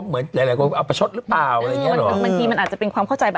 ไม่ให้ดึงหน้าดึงตาครับ